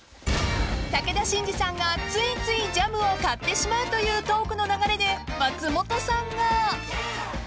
［武田真治さんがついついジャムを買ってしまうというトークの流れで松本さんが］